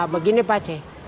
begini pak c